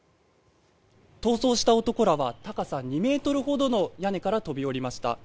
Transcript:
逃走した男らは高さ２ｍほどの屋根から飛び降りました。